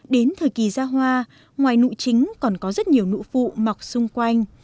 đến thời kỳ ra hoa ngoài nụ chính còn có rất nhiều nụ phụ mọc xung quanh